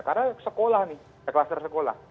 karena sekolah nih klaster sekolah